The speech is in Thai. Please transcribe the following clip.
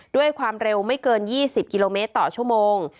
ด้วยความเร็วไม่เกิน๒๐กิโลเมตรต่อชั่วโมง